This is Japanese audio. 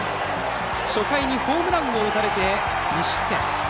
初回にホームランを打たれて、２失点。